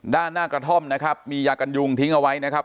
ด้านหน้ากระท่อมนะครับมียากันยุงทิ้งเอาไว้นะครับ